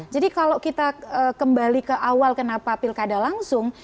jadi kalau kita kembali ke awal kenapa pilkada langsung